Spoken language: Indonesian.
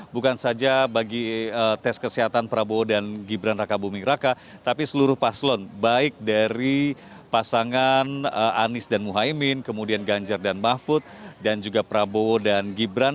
bukan saja bagi tes kesehatan prabowo dan gibran raka buming raka tapi seluruh paslon baik dari pasangan anies dan muhaymin kemudian ganjar dan mahfud dan juga prabowo dan gibran